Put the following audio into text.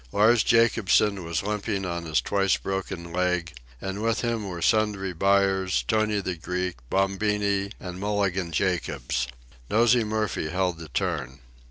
Lars Jacobsen was limping on his twice broken leg, and with him were Sundry Buyers, Tony the Greek, Bombini, and Mulligan Jacobs. Nosey Murphy held the turn.